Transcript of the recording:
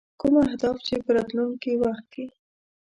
کوم اهداف چې په راتلونکي وخت کې.